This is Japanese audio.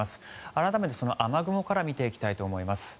改めてその雨雲から見ていきたいと思います。